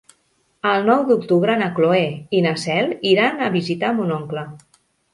El nou d'octubre na Cloè i na Cel iran a visitar mon oncle.